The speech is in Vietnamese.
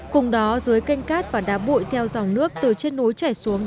cùng đó dưới canh cát và đá bụi theo dòng nước từ trên núi chảy xuống